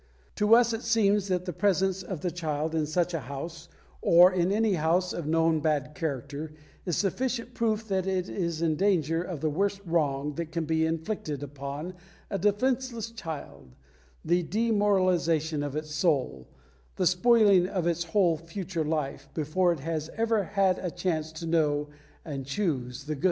To us it seems that the presence of the child in such a house, or in any house of known bad character, is sufficient proof that it is in danger of the worst wrong that can be inflicted upon a defenceless child the demoralisation of its soul, the spoiling of its whole future life, before it has ever had a chance to know and choose the good.